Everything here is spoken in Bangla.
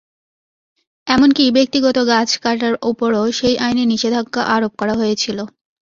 এমনকি, ব্যক্তিগত গাছ কাটার ওপরও সেই আইনে নিষেধাজ্ঞা আরোপ করা হয়েছিল।